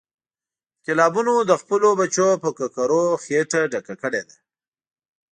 انقلابونو د خپلو بچو په ککرو خېټه ډکه کړې ده.